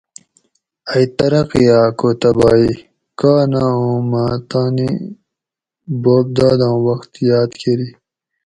ائی ترقی آۤ کو تباہی؟ کا نہ اُوں مہ تانی بوب داداں وۤخت یاۤد کۤری